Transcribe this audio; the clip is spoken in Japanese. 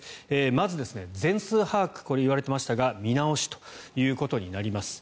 まず、全数把握が言われていましたが見直しということになります。